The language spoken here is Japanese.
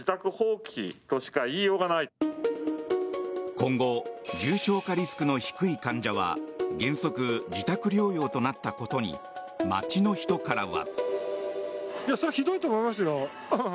今後、重症化リスクの低い患者は原則、自宅療養となったことに街の人からは。